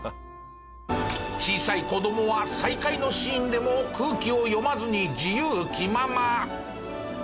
小さい子どもは再会のシーンでも空気を読まずに自由気まま。